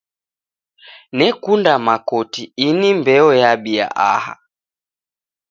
Nekunda makoti ini mbeo yabia aha.